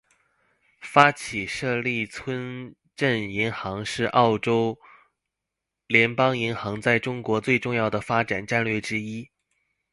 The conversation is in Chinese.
发起设立村镇银行是澳洲联邦银行在中国最重要的发展战略之一。